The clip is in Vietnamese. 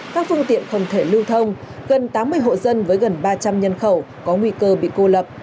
các phương tiện không thể lưu thông gần tám mươi hộ dân với gần ba trăm linh nhân khẩu có nguy cơ bị cô lập